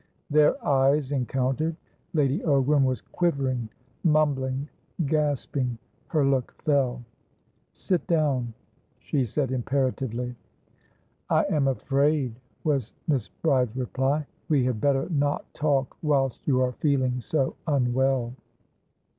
Their eyes encountered. Lady Ogram was quivering, mumbling, gasping; her look fell. "Sit down," she said imperatively. "I am afraid," was Miss Bride's reply, "we had better not talk whilst you are feeling so unwell."